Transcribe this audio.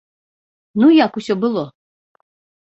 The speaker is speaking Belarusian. Ну як усё было?